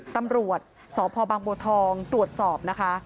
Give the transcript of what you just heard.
ตำรวจสพบังบัวทองตรวจสอบนะคะ